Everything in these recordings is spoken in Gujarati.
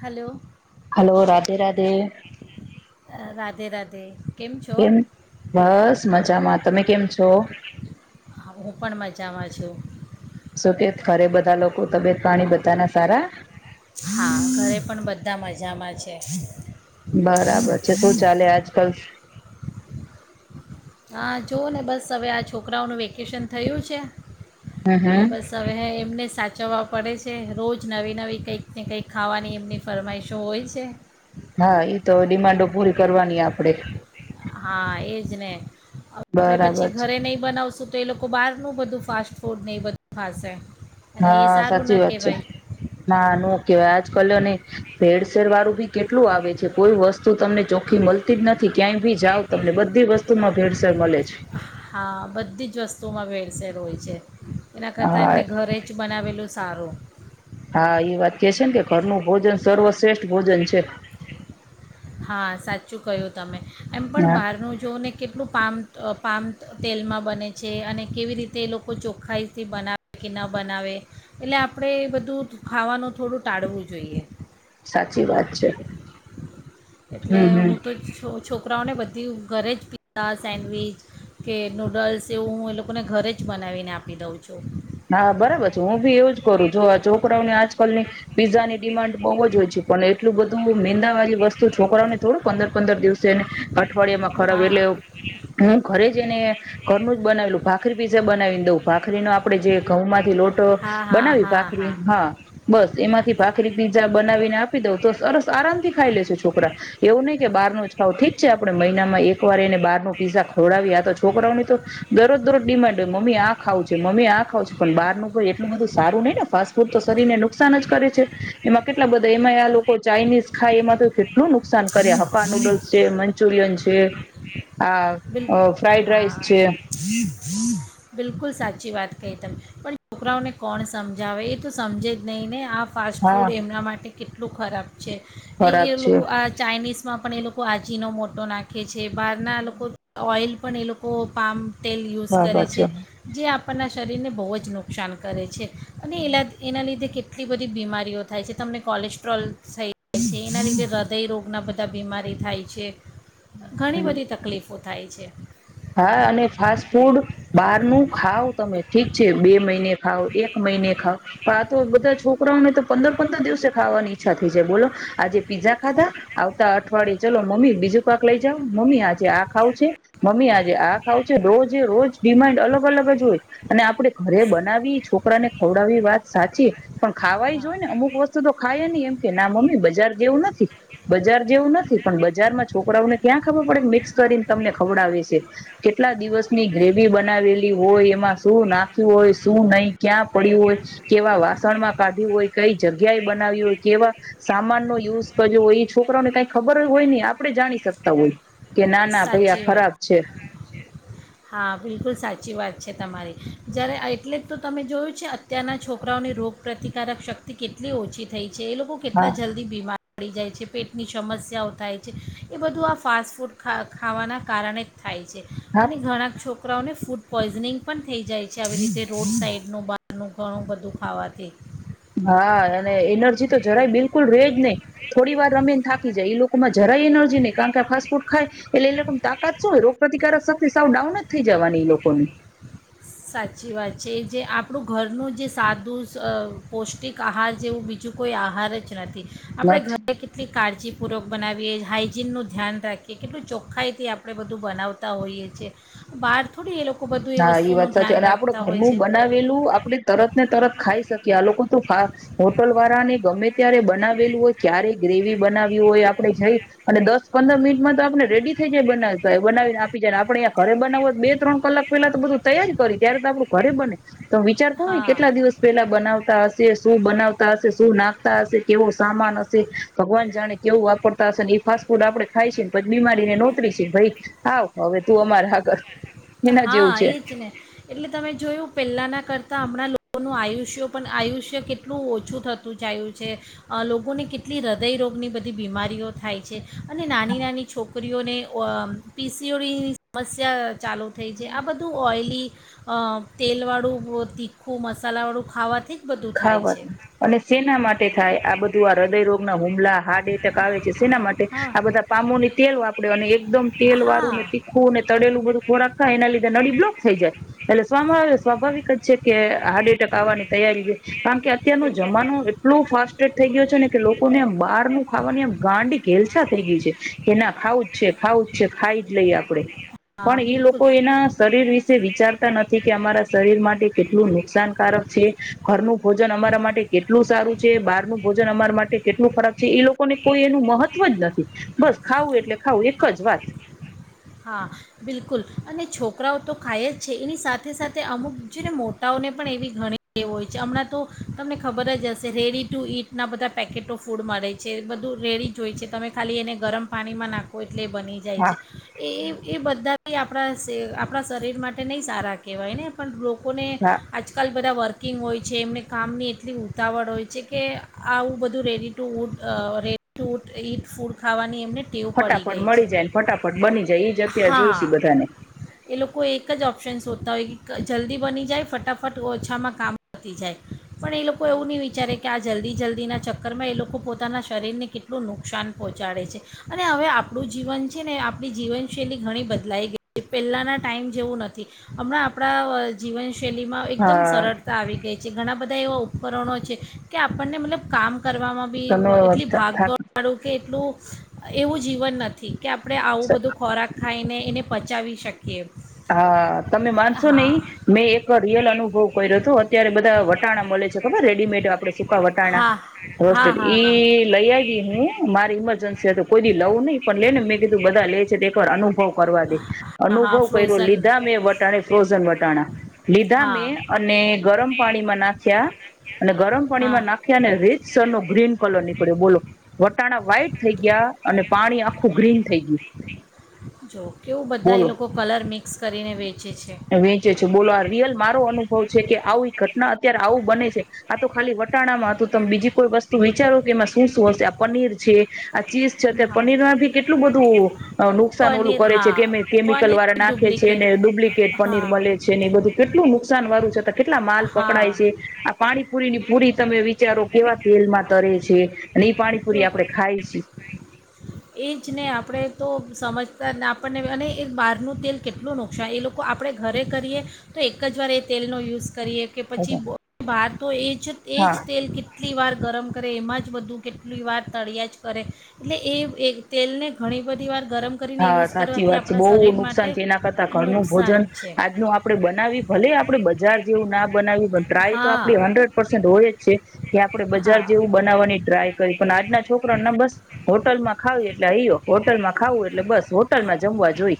હલો. હલો રાધે રાધે. રાધે રાધે. કેમ બસ મજામાં તમે કેમ છો? છો? હું પણ મજામાં છું. શું કે ખરે બધા લોકો તબિયત પાણી બધાના સારા? હા ઘરે પણ બધા મજામાં છે બરાબર છે શું ચાલે આજ કલ હા જુઓ ને બસ હવે આ છોકરાઓનું વેકેશન થયું છે હમ એટલે હમ બસ હવે હ એમને સાચવવા પડે છે રોજ નવી નવી કંઈક ને કંઈક ખાવાની એમની ફરમાઈશો હોય છે હા એ તો ડિમાન્ડો પૂરી કરવાની આપડે હા એજ ને હવે આપડે પછી બરાબર છે ઘરે નહી બનાવશું તો એ લોકો બહાર ન બધું ફાસ ફૂડ નહી બધું ખાસે હા સાચી વાત છે ના નો કેવાય આજ કલ અને ભેર શેર વાળું બી કેટલું આવે કોઈ વસ્તુ તમને ચોખ્ખી મળતી જ નથી થી ક્યાંય ભી જાાવ તમને બધી વસ્તુ બધું માં ભેળસેળ મળે છે હા બધી જ વસ્તુમાં વેળસે હોય છે એના કરતા હા એટલે ઘરે જ બનાવેલું સારું સર્વ શ્રેષ્ઠ ભોજન છે હા સાચું કહ્યું તમે. એમ પણ હા બહારનું જોઓને કેટલું પામ પામ તેલમાં બને છે અને કેવી રીતે એ લોકો ચોખ્ખાઈથી બનાવે કે ન બનાવે એટલે આપણે એ બધું ખાવાનું થોડું ટાળવું જોઈએ. સાચી વાત છે. એટલે હમ હમ હું તો છ છોકરાઓને બધા તે ઘરે જ પીઝા સેન્ડવીચ કે નૂડલ્સ એવું હું એ લોકોને ઘરે જ બનાવીને આપી દઉં છું. હા બરાબર છે હું બી એવું જ કરું જો આ છોકરાઓની આજકાલની પીઝાની ડિમાન્ડ બહુ જ હોય છે પણ એટલું બધું મેંદાવાળી વસ્તુ છોકઓને થોડ પંદર પંદર દિવસ ને અઠવાડિયામાં ખરાબ હા એટલે હું ઘરે જને ઘરનું જ બનાવેલું. ભાખરી પીઝા બનાવી દઉ ભાખરીનો આપ આપણે જે ઘઉંમાં લોટો હા હા બનાવી હા ભખરી હા બસ. એમાંથી ભાખરી પીઝા બનાવીને આપી દઉં તો સરસ આરામ થી ખાઈ લેશું છોકરા. એવું નઈ કે બાર ન જ ખાવ ઠીક છે આપડે મહિનામાં એક વાર એને બાર નું પીઝા ખોડાવી આ તો છોકરાઓની તો દરોજ દરોજ ડિમાન્ડ મમ્મી આ ખાવ છે. મમ્મી આ ખાવ છ છે પણ બાર કો એલું બધું સારું નહિ ને ફાસ્ટ પર તો શરીરને નુકસાન જ કરે છે એમાં કેટલા બધા એમાં આ લોકો ચાાઈનીઝ ખાય. એમાં તો કેટ લું નુકસાન કર્યા હક્કા નુડલ્સ છે, મંચુરિયન છે. આહ અહ બિલકુલ ફ્રાઇડ રાઈસ હા છે. બિલકુલ સાચી વાત કહી તમે. પણ છોકરાઓને કોણ સમજાવે એ તો સમજે જ નહીં ને આ ફાસ્ટ હા ફૂડ એમના માટે કેટલું ખરાબ છે એ ખરાબ એ છે લોકો આ ચાઇનીઝ માં પણ એ લોકો આજીનો મોટો નાખે છે બહારના લોકો ઓઇલ પણ એ લોકો પામ તેલ યુઝ કરે છે. જે આપ આપણના શરીરને બહુ જ નુકસાન કરે છે. અને હમ એલા એના લીધે કેટ ટલી બધી બીમારીઓ થાય છે. તમને કોલેસ્ટ્રોલ થઈ જાય છે. એના લીધે હૃદયરોગના બધા બીમારી થાય છે. ઘણી હમ બધી તકલીફો થાય છે. હા અને ફાસ્ટ ફૂડ બારનું ખાાવ તમે ઠીક છે. બે મહિને ખઓ, એક મહિને ખાવ. આ તો બધા છોકરાઓને તો પંદર પંદર દિવસે ખાવાની ઈચ્છા થઈ જાય. બોલો આજે. પીઝા ખાધા. આવતા અઠવાડયે ચાલલો મમ્મી બીજું પાક લઈ જાાવ. મમ્મી આજે આ ખાવું છે, મમ્મી આ આ ખાવું છે રોજે રોજ ડિમાન્ડ અલગ અલગ જ હોય. અને આપડે ઘરે બનાવી છોકરા ને ખવડાવવી વાત સાચી. પણ ખાવા જ હા હોય ને અમુક વસ્તુ તો ખાાય નને એમ કે ના મમ્મી બજાર જેવું નથી બજાર જેવું નથી પણ બજાર માં છોકરાઓને ક્યાં ખબર પડે મિક્સ કરીને તમને ખવડાવે છે. કેટલા દિવસની ગ્રેવી બનાવેલી હોય એમાં શું નાખ્યું હોય, શું નહી ક્યાં પડ્યું હોય, કેવા વાસણમાં કાઢ્યું હોય, કઈ જગ્યાએ બનાવ્યું, હોય કેવા સામાન નો યુઝ કર્યો હોય એ છોકરાને કઈ ખબર જ હોય નહ આપણે જાણી શકતા હોય. કે ના ના ભાઈ આ સાચી વાત ખરાબ છે. હા બિલકુલ સાચી વાત છે તમારી. જ્યારે એટલે જ તો તમે જોયું છે અત્યારના છોકરાઓની રોગપ્રતિકારક શક્તિ કેટલી ઓછી થઈ. છે એ લોકો કેટલા હા જલ્દી બીમાર પડી જાય. છે. પેટની સમસ્યાઓ થાય છે. એ બધું આ ફાસ્ટ ફૂડ ખા ખાવાના કારણે થાય છે. હા અને ઘણા છોકરા છોકરાઓને ફૂડ પોઈઝનિંગ પણ થઈ જાય છે. આવી રીતે રોડ સાઈડનું બહારનું ઘણું બધું ખાવાથીહું હા અને એનર્જી તો જરાય બિલકુલ ર રહે જ નહી થોડી વાર રમેીને થાકી જાય એ લોકોમાં જરાય એનર્જી નહી કારણ કે ફાસ્ટ ફૂડ ખાય એટલે એ લોકો તાકાત શું હોય રોગ પ્ર્રતિકારક શક્તિ સાવ ડાઉન જ થઈ જવાની એ લોકોની સાચી વાત છે. એ જે આપણું ઘરનું જે સાદું પૌષ્ટિક આહાર જેવું બીજું કોઈ આહાર જ નથી. આપડે નથી ઘરે કેટલી કાળજી પૂરક બનાવીએ હાઈજીનનું ધ્યાન રાખીએ કેટલું ચોખ્ખાઈથી આપણે બધું બનાવતા હોઈએ છીએ બહાર થોડી એ લોકો ખ બધું એ વસુ સાચ અને આપડે ઘરનું બનાવેલું આપડ તરત ને તરત ખાઈ શકીએ. આ લોકો તો હોટલ વાળા ગમે ત્યારે બનાવેલું હોય ક્યારેય ગ્રેવી બનાવ્યું હોય આપણે જઈ અને દસ પંદર મિનિટમાં તો આપણે રેડી થઈ જાય બનાવ તો બનાવીને આપી જાય આપણેં ખરે બનાવ બે ત્રણ કલાક પેલા તો બધ તૈય જ કરી ત્યારે તો આપડું ઘરે બને તો વિચાર કરો હા કેટલા દિવસ પહેલા બનાવતા હશે? શું બનાવતા હશે? શું નાખ હશે કેવો સામાન હશે ભગવાન જાણે કેવું વાપરતા હશે ને એ ફાસ્ટ ફૂડ આપડણે ખાય છે ને પછ બીમારીને નોતરીશ ભાઈ આવ હવે તું અમારે આગળ એ હા એ જ ને એટલે તમે જોયું પહેલાના કરતા તો હમણાં લોકોનું આયુષ્યો પણ આયુષ્ય કેટલું ઓછું થતું જાયું છે. લોકોને કેટલી હૃદયરોગની બધી બીમારીઓ થાય છે. અને નાની-નાની છોકરીઓને પી સી ઓડી ની સમસ્યા ચાલુ થઈ છે. આ બધું ઓઇલી તેલવાળું તીખું મસાલાવાળું ખાવાથી જ બધું થાય ખાવત છે અને સેના માટે થાય આ બધું આ હૃદયરોગ નો હુમલા હાર્ટ એટેક આવે છે. શેના માટે હા આ બધા પામોની તેલ વાપર્યો અને એકદમ તેલ વાળું ને હા તીખું ને તળેલું બધું ખોરાક થાય એના લીધે નળી બ્લોક થઈ જાય એટલે સ્વામ આવે સ્વાભાવિક જ છે કે હાર્ટ એટેક આવવાની તૈયારી છે. કારણ કે અત્યારનું જમાનું એટલું ફાસ્ટ થઈ ગયો છે. ને કે લોકોને બહાર નુ ખાવાની આમ ગાંડી ઘ હેલસાા થઈ ગઈ છે, કે ના ખાવું જ છે, ખાવું જ છે ખાઈ જ લઈએ આપડે હા પણ એ બિલકુલ લોકો એના શરીર વિશે વિચારતા નથી કે અમારા શરીર માટે કેટલું નુકસાનકારક છે. ઘરનું ભોજન અમારા માટે કેટલું સારું છે બહાર નુ ભોજન અમારા માટે કેટલું ફરક જે એ લોકોને કોઈ એનું મહત્વ જ નથી. બસ ખાવું એટલે ખાવું એક જ વાત હા બિલકુલ અને છોકરાઓ તો ખાય જ છે, એની સાથે-સાથે અમુક છે ને મોટાઓને પણ એવી ઘણી ટેવ હોય છે, હમણાં તો તમને ખબર જ હશે રેડી ટુ ઇટના બધા પેકેટો ફૂડ મળે છે. બધું રેડી જ હોય છે, તમે ખાલી એને ગરમ પાણીમાં નાખો એટલે બની જાય હા છે. એ એ બધા આપ આપણા શરીર માટે નહી સારા કહેવાયને પણ લોક લોકોને હા આજકાલ બધા વર્ક વકિંગ હોય છે એમણે કામની એટલી ઉતાવળ હોય છે કે આવું બધું ready to eat ready to eat food ખાવાની એમને ટેવ પડી ફટાફટ ગઈ છે મળી જાય ફટાફટ બની જાય એ જ અત્યારે જોઈશ હા બધાને એ લોકો એક જ ઓપ્શન શોધતા હોય કે જલ્દી બની જાય ફટાફટ ઓછામાં કામ પતી જાય પણ એ લોકો એવું નહી વિચારે કે કે આ જલ્દી જલ્દીના ચક્કરમાં એ લોકો પોતાના શરીરને કેટલું નુકસાન પહોંચાડે છે અને હવે આપણું જીવન છે ને આપણી જીવનશૈલી ઘણી બદલાઈ ગઈ છે પહેલાંના ટાઈમ જેવું નથી હમણાં આપણા જીવન શૈલીમાં એકદમ હા સરળતા આવી ગઈ છે. ઘણા બધા એવા ઉપકરણો છે કે આપણને મતલબ કામ કરવામાં બી તમે એટલી ભાગ દોડાડું કે એટલું એવું જીવન નથી કે આપડણે આવું બધું ખાઈને એને પચાવી શકીએ. હા તમે માનશો નને હા મેં એક રિયલ અનુભવ કર્યો હતો અત્યારે બધા વટાણા મળે છે ખબર રેડીમેડ આપડે સૂકા વટાણા હા હા રોસ્ટેડ હા હા ઈ લઈ આવી હું મારી ઇમરજન્સી તો કોઈ દી લઉ નહી પણ લેને મે કીધું બધા લે તો એકર અનુભવ કરવા દે હા હા અનુભવ. ફ્રોઝન લીધા મેં વટાણે ફ્રોઝન વટાણા લીધા હા મે અને ગરમ પાણીમાં નાખ્યા અને ગરમ હા પાણીમાં નાખ્યા અને રેજ સર નો ગ્રીન કલર નીકળ્યો બોલો વટાણા વ્હાઈટ થઈ ગયા અને પાણી આખું ગ્રીન થઈ ગયું. જો કેવું બધા એ બોલો લોકો કલર મિક્સ કરીને વેચે છે વેચે છે બોલો આ રિયલ મારો અનુભવ છે કે આવી ઘટના અત્યારે આવું બને છે આ. ખાલી વટાણામાં તો તમે બીજી કોઈ વસ્તુ વિચારો કે એમાં શું શું હશે આ પનીર છે. આ ચીઝ છે તે હા પનીરમાં ભી કેટલું બધું નુકસાન ઓલું પનીર કરે છે હા કેમે કેમિકલ વાળા પનીર નાખી. ડુપ્લિકેટ ને ડુપ્લિકેટ પનીર હા મળે છે ને એ બધું કેટલું નુકસાન વાળું છે. કેટલા માલ હા પકડાય છે આ પાણીપુરી ની પૂરી તમે વિચારો કેવા તેલમાં તરે જે અને એ તો પાણીપુરી આપડે ખાય છી. એ જને આપણે તો સમજતા આપણને અને એ બહારનું તેલ કેટલું નુકસાન એ લોકો આપણે ઘરે કરીએ તો એક જ વાર એ તેલનો યુઝ કરીએ કે પછી બાર તો એ જ હા તેલ કેટલી વાર ગરમ કરે એમાં જ બધું કેટલી વાર તળિયા જ કરે એટલે એ એ તેલને ઘણી બધી વાર ગરમ કરીને હા યુઝ સાચી કરવાથી વાત છે આપણા બહુ શરીર માટે નુકસાન છે એના કરતા ઘરનું ભોજન નુકસાન છે આજનું આપડે બનાવી ભલે આપડે બજાર જેવું ના બનાવ્યું પણ ટ્રાય તો હા આપડી હન્ડ્રેડ પર્સેન્ટ હોય જ છે કે આપડે બજાર હા જેવું બનાવવાની ટ્રાય કરી પણ આજના છોકરાને બસ હોટલમાં ખાવ એટલે આયો હોટલમાં એટલે બસ હોટલમાં જમવા જોઈ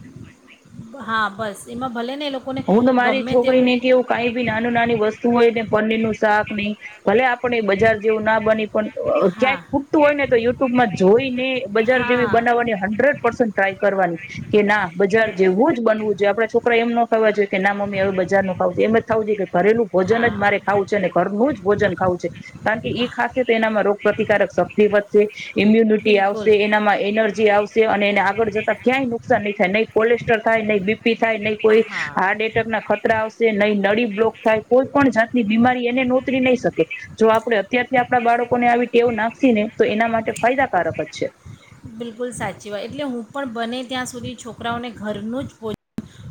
હા બસ એમાં ભલે ને એ લોકોને હું તો મારી ગમે છોકરી તેવું ને કેવું કઈ બી નાનું નાની વસ્તુ હોય ને પનીરનું શાક નહી ભલે આપણે બજાર જેવું ના બની પણ ક્યાંય હા ખૂટતું હોય ને તો યુટ્યુબમાં જોઈ ને બજાર જેવી હા બનાવવાની હંડ્રેડ ક કરવાની કે ના બજાર જેવું જ બનવું જોઈએ આપડણે છોકરા એમ ન કહેવા જોઇએ કે ના મમ્મી હવે બજારનું ખાવું એમજ આવું નહી કર ઘરેલું ભોજન જ હા મારે ખાવું છે ને ઘરનું જ ભોજન ખાવું છે કારણ કે એ ખાસે તો એનામાં રોગ પ્રતિકારક શક્તિ વધશે. ઇમ્યુનિટી આવશે બિલકુલ એનામાં એનર્જી આવશે અને આગળ જતા ક્યાય નુકસાન નહીં થાય નહીં કોલેસ્ટર થાય નહીં બીપી થાય નહીં કોઈ હા હાર્ટ એટેક ના ખતરા આવશે નહીં નળી બ્લોક થાય કોઈ પણ જાતની બીમારી એને નોતરી નહી શકે જો આપણે અત્યારથી આપણા બાળકોને આવી ટેવ નાખશ ને તો એના માટે ફાયદાકારક જ છે બિલકુલ સાચી વાત એટલે હું પણ બને ત્યાં સુધી છોકરાઓને ઘરનું જ પોહ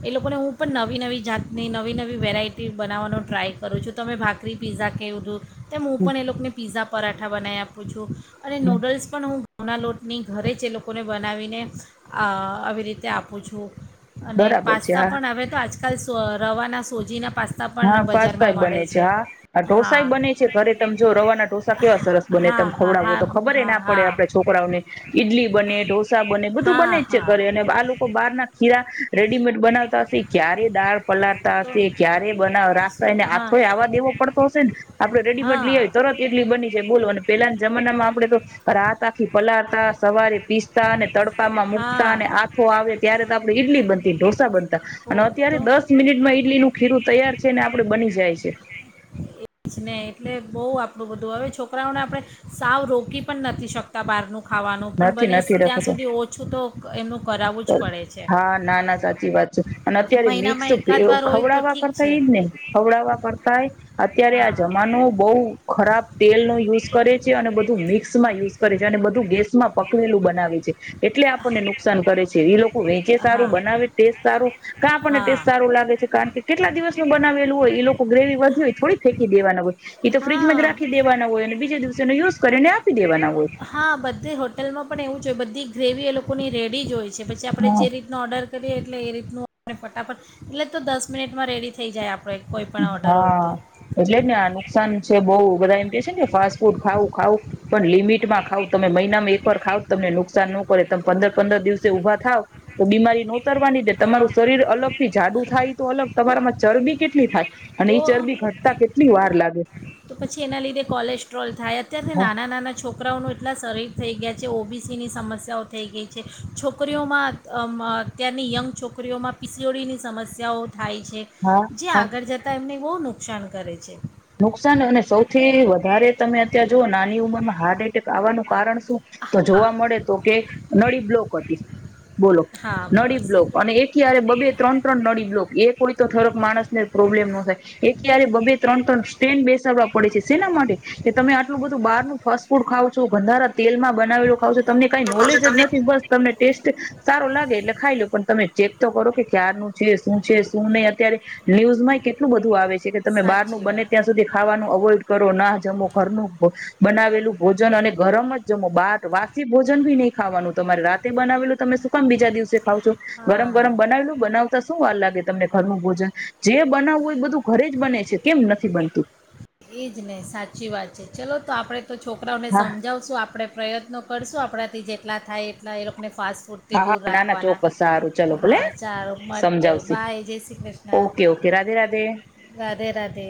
એ લોકોને હું પણ નવી નવી જાતની નવી નવી વેરાયટી બનાવવાનો ટ્રાય કરું છું તમે ભાકરી પીઝા કે બધું તે હું પણ એ લોકોને પીઝા પરાઠા બનાવી આપુ બીજુ અને નૂડલ્સ પણ હું ઘઉંના લોટ ની ઘરે જ એ લોકોને બનાવીને આ આવી રીતે આપું છું અને બરાબર છે પાસ્તા હા પણ અવે તો આજકાલ આજકાલ રવાના સોજીના પાસ્તા હા પણ બજારમાં પાસ્તાય મળે બને છે હા ઢોસા હા બને છે ઘરે તમે જો રવાના ઢોસા કેવા સરસ બને હા તમે હા હા ખવડાવો તો હા ખબર હા ના પડે હા આપે છોકરાઓને ઈડલી બને ઢોસા બને બધું બને હા જ છે હા ઘરે અને આ લોકો બહાર ના ખીરા રેડીમેડ બનાવતા હશે ક્યારે દાળ પલાડતા તો હશે ક્યારે બના રાખતા શું એને હા આથો એ આવવા દેવો પડતો હશે ને આપણે રેડીમેડ લઈ હા તરત એટલી બની જ બોલો અને પેલાના જમાના માં આપડે તો રાહત આખી પલાળતા સવારે પીસતા અને તડકામાં મુકતા અને હા આથો આવે ત્યારે તો આપડે એટલી ઢોસા બનતા ઓ અને અત્યારે તો દસ મિનિટમાં ઈડલીનું ખીરું [inaudible] છેને આપડ બની જાય છે આપું બધું હવે છોકરાઓને આપણે સાવ રોકી પણ નથી શકતા બહારનું ખાવાનું પણ નથી બને નથી ત્યાં રખાતું. સુધી ઓછું તો એમનું કરાવવું જ પડે છે નાના સાચી વાત છે અને અત્યારે મિક્સ મહિનામાં બેવ એકાદ વાર હોય તો ખવડાવવા ઠીક કરતા છે એજ ને ખવડાવવા કરતાય અત્યારે આ હા જમાનો બહ ખરાબ તેલ નો યુઝ કરે છે અને બધું મિક્સ માં યુઝ કરે છે અને બધું ગેસ પકવેલું બનાવે છે એટલે આપણને નુકસાન કરે છે એ લોકો વેચે હા સારું બનાવે ટેસ્ટ સારું કા આપણને હા ટેસ્ટ સારું લાગે છે કારણ કે કેટલા દિવસનું બનાવેલું હોય એ લોકો ગ્રેવી વધી હોય થોડી ફેંકી દેવાના બધ એ તો હા ફ્રીજમાં જ રાખી દેવાના હોય અને બીજા દિવસેનો યુઝ કરીને આપી દેવાના હોય હા બધે હોટલમાં પણ એવું જ હોય બધી ગ્રેવી એ લોકોની રેડી જ હોય પછી આપણે હા જે રીતનો ઓર્ડર કરીએ એટલે એ રીતનું ફટાફટ, એટલે તો દસ મિનિટમાં રેડી થઈ જાય આપ હા એટલે જ નાનું નુકસાન છે બ બધા એમ કે છે ને ફાસ્ટ ફૂડ ખાવ ખાવ, પણ લિમિટ માં ખાવ તમે મહિનામાં એકવાર ખાવ તમને નુકસાન ન તમ તો પંદર પંદર દિવસે ઊભા થાવ. તો બીમારી નોતરવાની દે તમારું હા શરીર અલગ થી જાડુ થાય તો અલગ તમારા માં ચરબી કેટલી થાય. અને તો ઈ ચરબી ઘટતા કેટલી વાર લાગે પછી એના લીધે કોલેસ્ટ્રોલ થાય. અત્યારેથી હા નાના નાના છોકરાઓનું એટલા શરીર થઈ ગયા છે ઓ બી સીની સમસ્યાઓ થઈ ગઈ છે, છોકરીઓમાં અત્યારની યંગ છોકરીઓમાં પિસોળીની સમસ્યાઓ થાય છે હા જે હા આગળ જતા એમને બહુ નુકસાન કરે છે નુકસાન અને સૌથી વધારે તમે અત્યારે જુઓ નાની ઉમરમાં હાર્ટ એટેક આવવાનું કારણ તો હા જોવા મળે તો કે નળી બ્લોક હતી બોલો હા નળી બસ બ્લોક અને એ કય્યારે બબે ત્રણ ત્રણ નળ બ્લોક એ કોઈ તો થરક માણસને પ્રોબ્લેમ ન એકય બબ્ી ત્રણ ત્રણ ન બેસાડવા પડે છે શેના માટે કે તમે આટલું બધું બારનું ફાસ્ટ ફૂડ ખાાવ બંધારા તેલમાં બનાવેલું ખાવ છે તમને કઈ તો કહું નોલેજ છું જ તમને નથી બસ તમને ટેસ્ટ સારો લાગે એટલે ખાઈ લો પણ તમે ચેક તો કરો કે ક્યાનુંું છે શું છે શું નહી અત્યારે ન્યુઝ માં કેટલું બધું આવે છે છે કે તમે બાર નું સાચી બને વાત ખાવાનું અવોઈડ કરો ના જમો ઘરનું બનાવેલું ભોજન અને ગરમ જ જમો બાર વાસી ભોજન ભી નહી ખાવાનું તમારે રાતે બનાવેલું તમે શું કામ બીજા દિવસે ખાવ છો હા ગરમ ગરમ હા બનાવી બનાવતા શું વા લાગે તમને ઘરનું ભોજન જે બનાવવું એ બધું ઘરે જ બને છે કેમ નથી બંતુ એજ નહ સાચી વાત છે ચલો તો આપડે તો છોકરાઓને હા સમજાવશું આપણે પ્રયત્નો કરશું આપણા થી જેટલા થાય એટલા એ લોકોને ફાસ્ટ ફૂડથી હા દૂર હા ના ના રાખવાના ચોક્કસ સારું ચલો ભલે હા સારો મળીએ સમજાવશે bye Jai Shri Krishna okay okay Radhe Radhe Radhe Radhe